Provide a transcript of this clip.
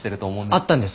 会ったんです。